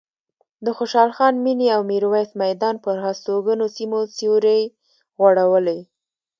د خوشحال خان مېنې او میرویس میدان پر هستوګنو سیمو سیوری غوړولی.